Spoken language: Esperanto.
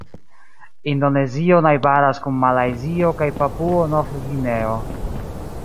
Indonezio najbaras kun Malajzio kaj Papuo-Nov-Gvineo.